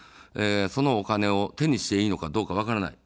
そのお金を手にしていいのかどうか分からない。